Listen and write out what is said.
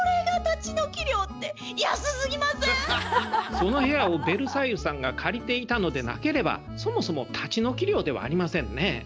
その部屋をベルサイユさんが借りていたのでなければそもそも立ち退き料ではありませんね。